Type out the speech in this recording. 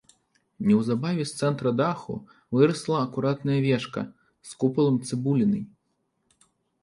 Неўзабаве з цэнтра даху вырасла акуратная вежка з купалам-цыбулінай.